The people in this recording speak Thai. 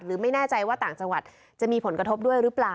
ไม่แน่ใจว่าต่างจังหวัดจะมีผลกระทบด้วยหรือเปล่า